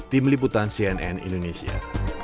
tim liputan cnn indonesia